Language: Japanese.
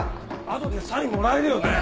後でサインもらえるよね？